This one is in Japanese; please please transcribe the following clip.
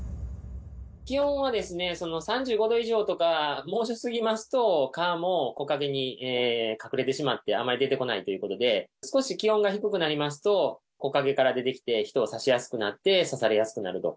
気温が３５度以上とか猛暑すぎますと、蚊も木陰に隠れてしまってあまり出てこないということで、少し気温が低くなりますと、木陰から出てきて、人を刺しやすくなって、刺されやすくなると。